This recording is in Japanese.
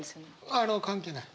あの関係ない。